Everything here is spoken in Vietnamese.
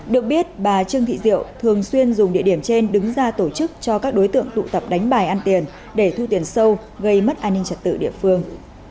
được biết bà trương thị diệu thường xuyên dùng địa điểm trên đứng ra tổ chức cho các đối tượng tụ tập đánh bài ăn tiền để thu tiền sâu gây mất an ninh trật tự địa phương